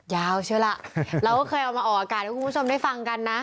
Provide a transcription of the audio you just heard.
เชื่อล่ะเราก็เคยเอามาออกอากาศให้คุณผู้ชมได้ฟังกันนะ